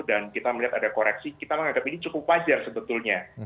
dan kita melihat ada koreksi kita menganggap ini cukup wajar sebetulnya